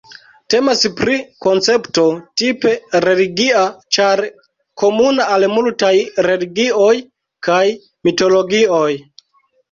Temas pri koncepto tipe religia ĉar komuna al multaj religioj kaj mitologioj.